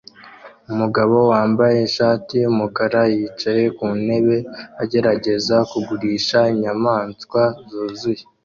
Umugabo wambaye ishati yumukara yicaye ku ntebe agerageza kugurisha inyamaswa zuzuye